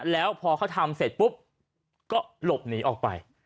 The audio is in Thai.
แล้วพอเขาทำเสร็จปุ๊บก็หลบหนีออกไป